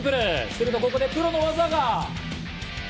するとここでプロの技が。